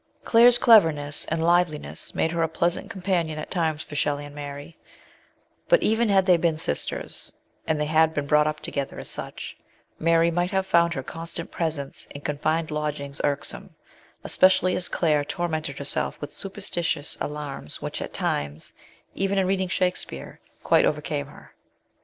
Claire's cleverness and liveliness made her a pleasant companion at times for Shelley and Mary; but even had they been sisters and they had been brought up together as such Mary might have found her constant presence in confined lodgings irksome, espe cially as Claire tormented herself with superstitious alarms which at times, even in reading Shakespeare, quite overcame her.